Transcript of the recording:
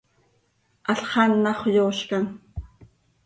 Halx anàxö yoozcam.